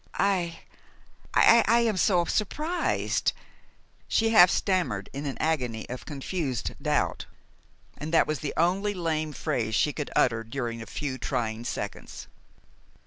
"I I am so surprised " she half stammered in an agony of confused doubt; and that was the only lame phrase she could utter during a few trying seconds.